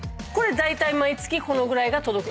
毎月このぐらいが届く？